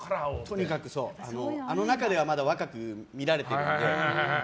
とにかく、あの中ではまだ若く見られているので。